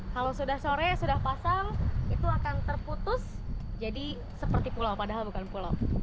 kalau sudah sore sudah pasang itu akan terputus jadi seperti pulau padahal bukan pulau